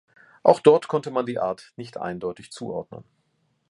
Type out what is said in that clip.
Auch dort konnte man die Art nicht eindeutig zuordnen.